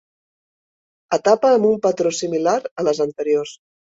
Etapa amb un patró similar a les anteriors.